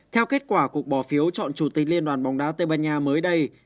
theo kết quả cuộc bỏ phiếu chọn chủ tịch liên đoàn bóng đá tây ban nha mới đây